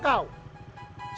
ya sudah lah